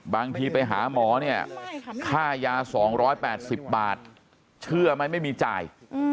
บางทีไปหาหมอเนี่ยค่ายา๒๘๐บาทเชื่อไหมไม่มีจ่าย